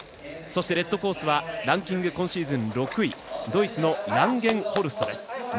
そしてレッドコースはランキング、今シーズン６位ドイツのランゲンホルストです。